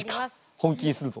本気にするぞ。